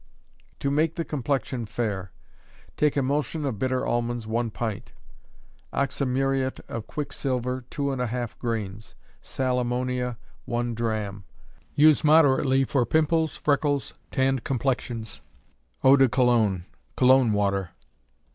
To Make the Complexion Fair. Take emulsion of bitter almonds, one pint; oxymuriate of quicksilver, two and a half grains; sal ammonia, one drachm. Use moderately for pimples, freckles, tanned complexions. _Eau de Cologne Cologne Water.